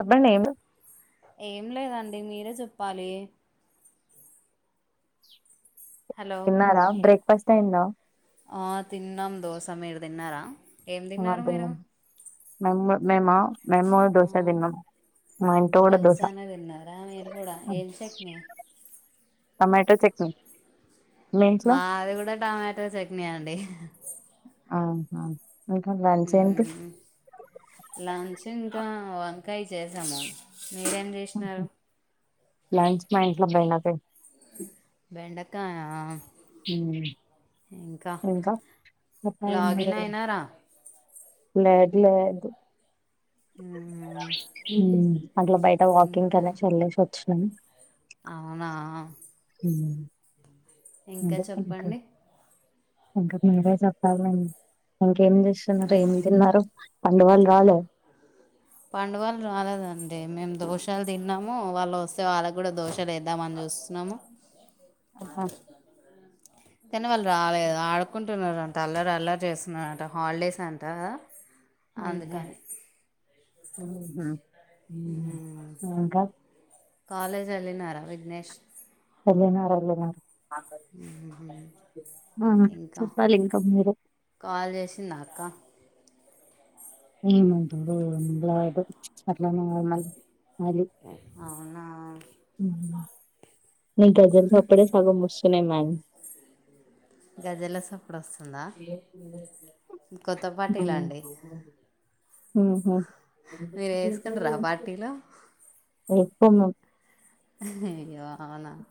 చెప్పండి ఏం ఏం లేదండ్ ది మీరే జెప్పాలి హలో తిన్నారా బ్రేక్ ఫస్ట్ అయిందా ఆ తిన్నాం దోస, మీరు తిన్నారా? ఏం తిన్నారు మీరు? మెమ్మ్ మేమా మేం గుడ ఆ దోసే తిన్నము, మా ఇంట్లో గుడా దోశ దోశనే తిన్నారా మీరు కూడా హ్మ్ ఏం చట్నీ టొమాటో చట్నీ మీ ఇంట్లో మాది గుడా టొమాటో చట్నీ అండి ఆహా ఇంకా లంచ్ ఏంటి లంచ్ ఇంకా వన్ కాయ్ చేసాము మీరేం చేసినారు? లంచ మా ఇంట్లో బెండకాయ్ బెండక్ కాయా హ్మ్ ఇంకా లాగిన్ ముప్పవున్నరె అయినారా లేద్ లేదు మ్మ్ మ్ అట్లా బయట వాకింగ్ ఇంకా కనేసి వెల్లేసి వచ్చు తలుజ్ అవునా ఉ ఇంకా చెప్పండి ఇంకా చెప్పాలండి మీరే ఏం చేస్తున్నారు ఏం మ్మ్ తిన్నారు అంద వాళ రాలో పండుగలు రాలేదండి మేము దోషాలు తిన్నాము వాళ్ళు వస్తే వాళ్ళకు కూడా దోషాలు వేద్దామని చూస్తున్నాము ఆహా తన్ను వాళ్ళు రాలేదు ఆడుకుంటున్నారు తల్లర్ అల్లర్ చేస్తున్నాడంట హాలిడేస్ అంట కదా అందుకని ఉంహు మ్ మ్మ్. ఇంకా కాలేజ్ వెళ్ళినారా విఘ్నేష్ [unintelligible] అల్లరి కాదు మ్ ఆ ఇంకా చెప్పాలి ఇంకా మీరు కాల్ చేసిందా ఆ అక్క ఉంహు ఏం లేదు అట్లానే ఎల్లాల్ మళ్ళీ అవునా సినిమా గజల్స్ అప్పుడే సగం మస్తున్నాయి మ్యామ్ గజల సప్పుడు వస్తుందా కొత్త పట్టీలు అండి ఉంహు మీరు వేసుకుంటారా ఆ పార్టీలో నువ్వు ఎప్పు మం హయ్యో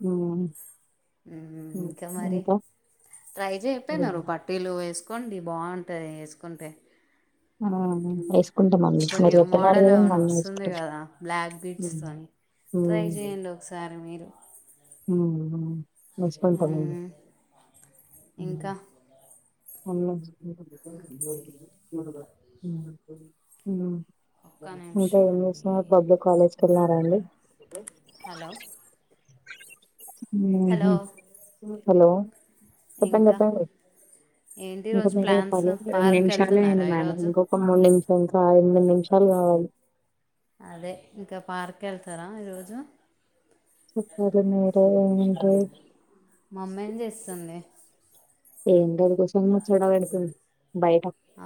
మ్ మ్ ఇంకా మరి ట్రై చెయ్ టన్నారు పట్టీలు ఎస్ వేసుకోండి బాగుంటది వేసుకుంటే ఆ ఇపుడెస్ ఇప్పుడు న్యూ మోడల్ ఏను వస్తుంది వేసుకుంటాం కదా బ్లాక్ బీడ్స్ తోనీ ట్రై చేయండి ఒకసారి మీరు మ్ మంచి పంపణీ మ్ ఇంకా అమ్మొచ్చింది నీళ్ళకి [inaudible] ఒక్క [inaudible] ఇంకా నిమిషం అండి ఏంష పబ్లిక్ కాలేజ్ కెళ్లా దాన్ని హలో ఉహు హలో హలో చెప్పండి ఇంకా చెప్పండి ఏంటి ఇంకా ఈరోజు మీరె ప్లాన్స్ చెప్పాలి రెండు పార్క్కి నిమిషాలు వెళ్తున్నారా అయింది మ్యామ్ ఈరోజు ఇంకొక మూడు ఇంక ఇంకా ఎనిమిది నిమిషాలు కావాలి. అదే ఇంకా పార్కు కెళ్తారా ఈరోజు సెప్పది నేర ఏంటి మా అమ్మాయి ఏచేస్తుంది? ఏంట అది కూర్చుని ముచ్చట పెడుతుంది.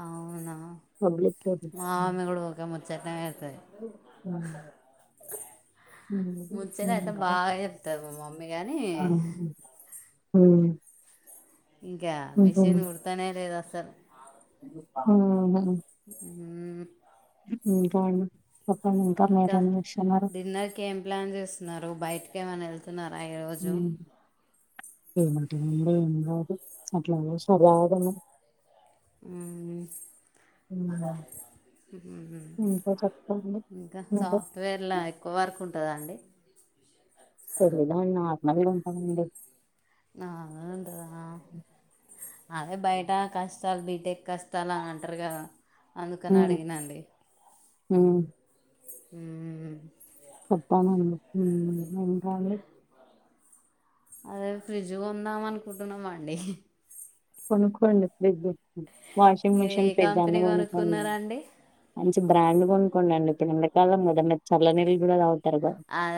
అవునా తోటి మామె కూడా ఓకే మ చద్దాఎల్ దయల్ ముంచేది అయితే బాగా చెప్తారు మా మమ్మీ కాని ఉమ్ ఇంకా మిషిన్ కుడతానే లేదస్ తర్ అహు అహు గజాల సౌండ్ ఉమ్ ఇంకాను ఇంకా డిన్నర్కి ఏం ప్లాన్ చేస్తున్నారు బయట ఏమనా వెళ్తున్నార్. ప ఈరోజు ఏమంటుంది ఏమి కాదు అట్లానే స్టబావ్ గా ఉన్నాం. ఉహుమ్ ఇంగ ఇంకా మీరే సాఫ్ట్వేర్లో ఎక్కువ వర్క్ ఉంటాద అండి? తెలీదండి అండి, నార్మల్ గా ఉంటామండి. నా ఉంటద అదే బయట కష్టాలు బి. ఎక్కస్తలా అంటరుగద అందుకని ఉమ్ అడిగినండి. ఉమ్ ఉహ చెప్పలండి ఉ ఏం కావాలి అదే ఫ్రిడ్జ్ కొందాం అనుకుంటున్నామండి. కొనుక్కోండి ఫ్రిడ్జ్ వాషింగ్ మీరు ఏ మిషిన్ ఫ్రిడ్జ్ అన్ని కంపెనీ కొనుకోండి కొనుక్కున్నారండి మంచి బ్రాండ్. కొనుక్కోండి అండి. ఇప్పుడు ఎండకాలం కదా మీర్ చాలా నిలు కూడా తాగుతారు. త్వరగా అదే